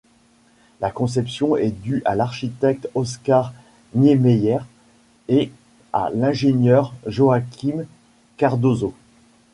La conception est due à l'architecte Oscar Niemeyer et à l'ingénieur Joaquim Cardoso.